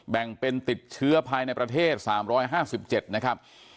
แบ่งเป็นติดเชื้อภายในประเทศ๓๕๗นะครับ